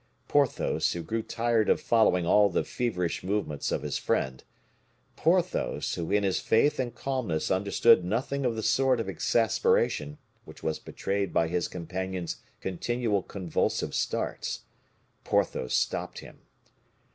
Porthos, who grew tired of following all the feverish movements of his friend Porthos, who in his faith and calmness understood nothing of the sort of exasperation which was betrayed by his companion's continual convulsive starts Porthos stopped him.